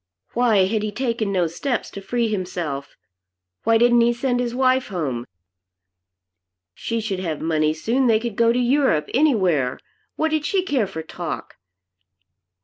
Why had he taken no steps to free himself? Why didn't he send his wife home? She should have money soon. They could go to Europe anywhere. What did she care for talk?